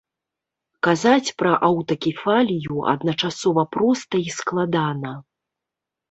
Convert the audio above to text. Казаць пра аўтакефалію адначасова проста і складана.